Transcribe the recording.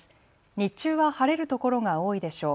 日中は晴れるところが多いでしょう。